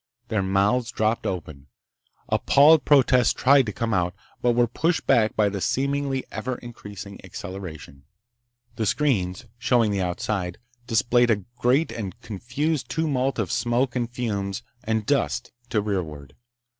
Their mouths dropped open. Appalled protests tried to come out, but were pushed back by the seemingly ever increasing acceleration. The screens, showing the outside, displayed a great and confused tumult of smoke and fumes and dust to rearward.